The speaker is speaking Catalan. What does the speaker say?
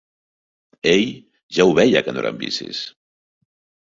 Ell ja ho veia que no eren vicis